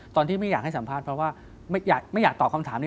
ตอนที่ไม่อยากให้สัมภาษณ์เพราะว่าไม่อยากตอบคำถามนี้